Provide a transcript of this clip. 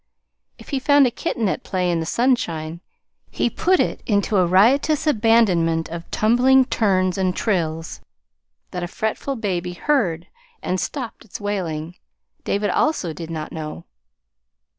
If he found a kitten at play in the sunshine, he put it into a riotous abandonment of tumbling turns and trills that a fretful baby heard and stopped its wailing, David also did not know.